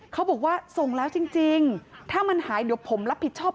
เขาบอกว่าส่งแล้วจริงถ้ามันหายเดี๋ยวผมรับผิดชอบ